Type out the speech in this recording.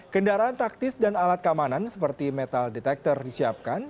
kendaraan taktis dan alat keamanan seperti metal detector disiapkan